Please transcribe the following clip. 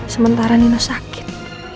sementara nino sakit